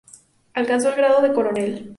Alcanzó el grado de Coronel.